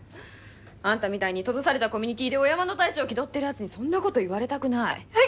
あんたみたいに閉ざされたコミュニティーでお山の大将気取ってるやつにそんなこと言われたくない。